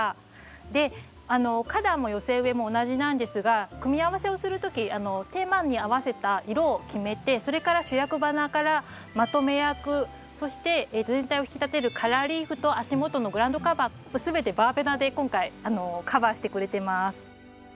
で花壇も寄せ植えも同じなんですが組み合わせをする時テーマに合わせた色を決めてそれから主役花からまとめ役そして全体を引き立てるカラーリーフと足元のグラウンドカバー全てバーベナで今回カバーしてくれてます。